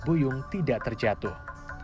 membuat buyung tidak terjatuh